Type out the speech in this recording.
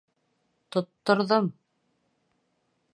— Тотторҙом!